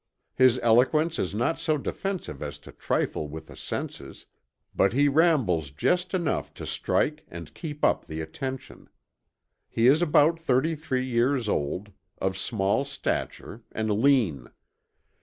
His eloquence is not so defusive as to trifle with the senses, but he rambles just enough to strike and keep up the attention. He is about 33 years old, of small stature, and lean.